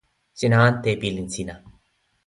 sina ante e pilin sina.